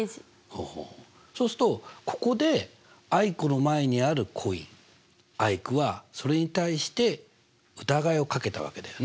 そうするとここでアイクの前にあるコインアイクはそれに対して疑いをかけたわけだよね。